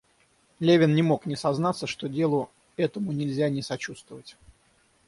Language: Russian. Левин не мог не сознаться, что делу этому нельзя не сочувствовать.